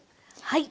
はい。